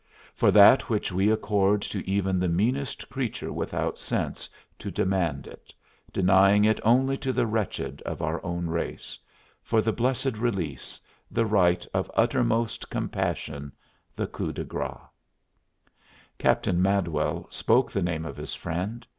For that which we accord to even the meanest creature without sense to demand it, denying it only to the wretched of our own race: for the blessed release, the rite of uttermost compassion, the coup de grâce. Captain Madwell spoke the name of his friend.